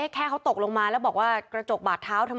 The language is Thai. แค่เขาตกลงมาแล้วบอกว่ากระจกบาดเท้าทำไม